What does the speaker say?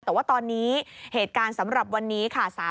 แต่ว่าตอนนี้เหตุการณ์สำหรับวันนี้ค่ะ